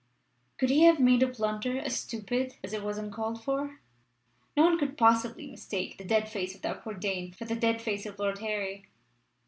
Could he have made a blunder as stupid as it was uncalled for? No one could possibly mistake the dead face of that poor Dane for the dead face of Lord Harry.